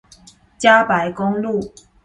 嘉白公路